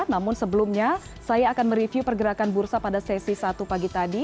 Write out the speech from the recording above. namun sebelumnya saya akan mereview pergerakan bursa pada sesi satu pagi tadi